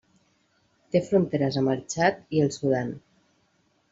Té fronteres amb el Txad i el Sudan.